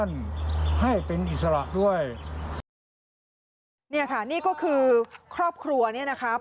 เนี่ยค่ะนี่ก็คือครอบครัวเนี่ยนะครับ